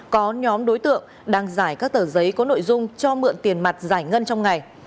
có nhóm đối tượng đang giải các tờ giấy có nội dung cho mượn tiền mặt giải ngân trong ngày